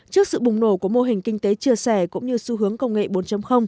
trước sự bùng nổ của mô hình kinh tế chia sẻ cũng như xu hướng công nghệ bốn